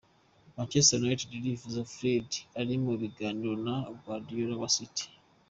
Manchester United irifuza Fred uri mu biganiro na Guardiola wa City.